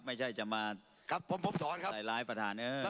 ไม่ใช่จะมาไหลลายประธาน